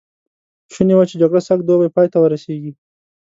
شوني وه چې جګړه سږ دوبی پای ته ورسېږي.